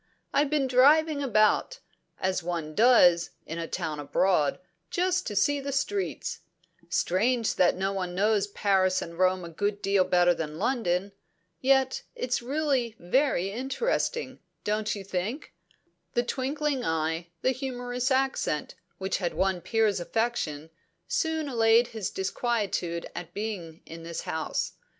"I've been driving about, as one does in a town abroad, just to see the streets. Strange that one knows Paris and Rome a good deal better than London. Yet it's really very interesting don't you think?" The twinkling eye, the humorous accent, which had won Piers' affection, soon allayed his disquietude at being in this house.